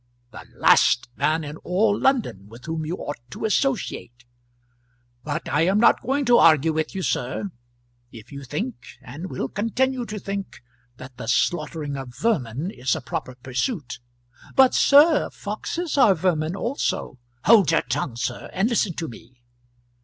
"The last man in all London with whom you ought to associate! But I am not going to argue with you, sir. If you think, and will continue to think, that the slaughtering of vermin is a proper pursuit " "But, sir, foxes are vermin also." "Hold your tongue, sir, and listen to me.